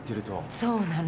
そうなの。